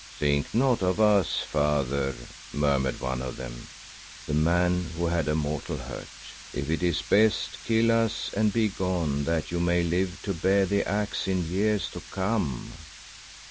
"Think not of us, Father," murmured one of them, the man who had a mortal hurt. "If it is best, kill us and begone that you may live to bear the Axe in years to come."